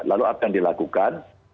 lalu apa yang dilakukan